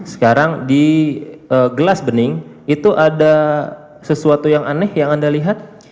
sekarang di gelas bening itu ada sesuatu yang aneh yang anda lihat